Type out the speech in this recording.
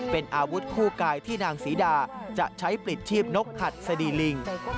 เป็นอาวุธคู่กายที่นางศรีดาจะใช้ปลิดชีพนกหัดสดีลิง